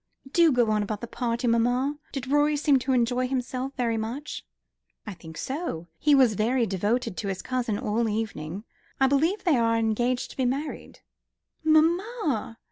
"Do go on about the party, mamma. Did Rorie seem to enjoy himself very much " "I think so. He was very devoted to his cousin all the evening. I believe they are engaged to be married." "Mamma!"